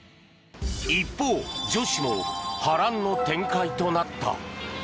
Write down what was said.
一方、女子も波乱の展開となった。